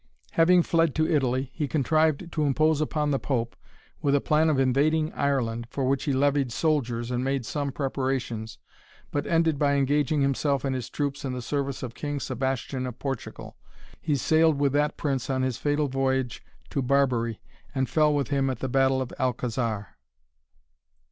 Having fled to Italy, he contrived to impose upon the Pope, with a plan of invading Ireland, for which he levied soldiers, and made some preparations, but ended by engaging himself and his troops in the service of King Sebastian of Portugal. He sailed with that prince on his fatal voyage to Barbary, and fell with him at the battle of Alcazar.